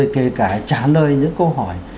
phải trả lời những câu hỏi